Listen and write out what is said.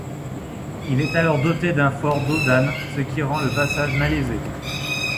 Il est alors doté d’un fort dos d’âne ce qui rend le passage malaisé.